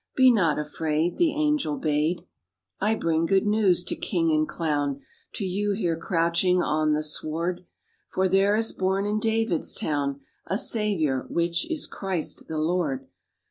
"Be not afraid," the angel bade. "I bring good news to king and clown, To you here crouching on the sward; For there is born in David's town A Saviour, which is Christ the Lord.